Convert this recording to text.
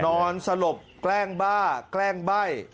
นอนสลบแกล้งบ้าแกล้งใบ้